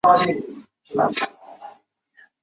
他也代表克罗地亚国家足球队参赛。